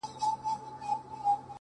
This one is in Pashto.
خو هيله زما هر وخت په نفرت له مينې ژاړي-